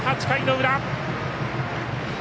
８回の裏。